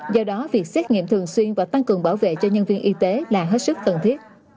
do đó việc xét nghiệm thường xuyên và tăng cường bảo vệ cho nhân viên y tế là hết sức cần thiết